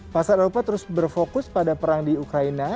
pasar eropa terus berfokus pada perang di ukraina